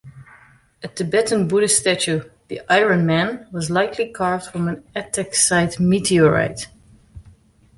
A Tibetan Buddhist statue, the "Iron Man", was likely carved from an ataxite meteorite.